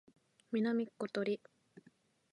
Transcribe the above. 南ことり